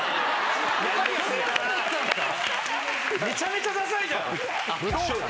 めちゃめちゃダサいじゃん。